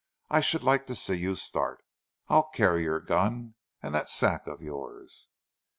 I should like to see you start. I'll carry your gun, and that sack of yours."